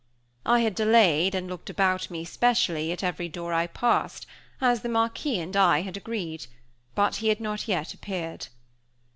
I had delayed and looked about me, specially, at every door I passed, as the Marquis and I had agreed; but he had not yet appeared.